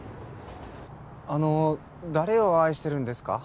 あの誰を愛してるんですか？